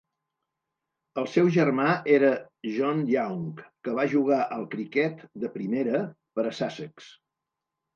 El seu germà era John Young, que va jugar al criquet de primera per a Sussex.